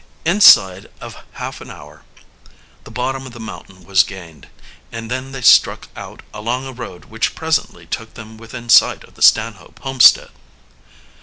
Inside of half an hour the bottom of the mountain was gained, and then they struck out along a road which presently took them within sight of the Stanhope homestead.